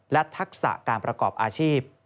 และทักษะการประกอบอาชีพ